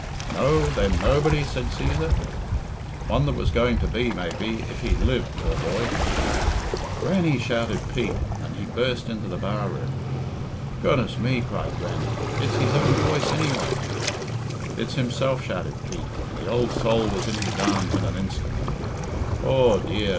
"No, then, nobody?" said Cæsar. "One that was going to be, maybe, if he'd lived, poor boy " "Grannie!" shouted Pete, and he burst into the bar room. "Goodness me!" cried Grannie; "it's his own voice anyway." "It's himself," shouted Pete, and the old soul was in his arms in an instant. "Aw dear!